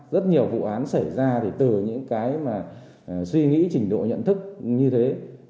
rất nhiều vụ án xảy ra từ những suy nghĩ trình độ nhận thức như thế